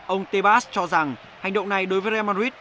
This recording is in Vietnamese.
ông tebas cho rằng hành động này đối với real madrid